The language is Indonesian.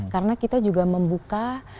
karena kita juga membuka